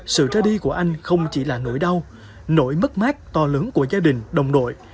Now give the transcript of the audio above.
sự ra đi của anh không chỉ là nỗi đau nỗi mất mát to lớn của gia đình đồng đội